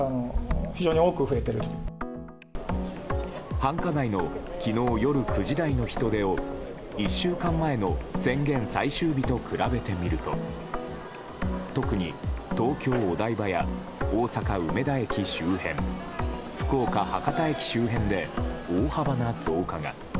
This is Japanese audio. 繁華街の昨日夜９時台の人出を１週間前の宣言最終日と比べてみると特に、東京・お台場や大阪・梅田駅周辺福岡・博多駅周辺で大幅な増加が。